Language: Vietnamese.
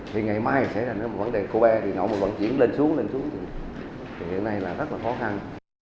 thì ngày mai xảy ra một vấn đề cô bé đi ngẫu vận chuyển lên xuống lên xuống thì hiện nay là rất là khó khăn